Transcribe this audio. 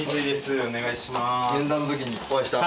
お願いします。